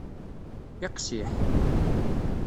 Iqsiḥ.